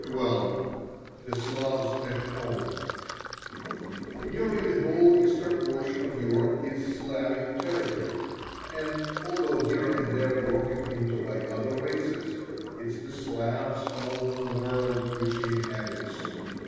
XII THE SLAVS AT HOME Nearly the whole eastern portion of Europe is Slavic territory, and although here and there broken into by other races, it is the Slav's own world which he inhabits.